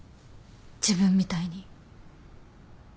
自分みたいに。